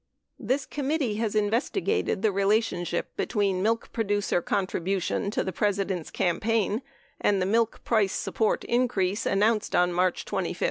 This committee has investigated the relationship between milk pro ducer contribution to the President's campaign and the milk price support increase announced on March 25, 1971.